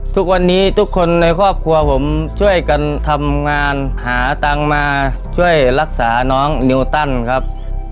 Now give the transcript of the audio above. ทุกวันนี้ทุกคนในครอบครัวผมช่วยกันทำงานหาตังค์มาช่วยรักษาน้องนิวตันครับ